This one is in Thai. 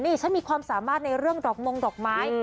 นี่ฉันมีความสามารถในเรื่องดอกมงดอกไม้